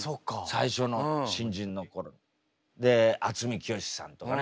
最初の新人の頃に。で渥美清さんとかね